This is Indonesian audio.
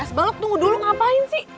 eh esbalok tunggu dulu ngapain sih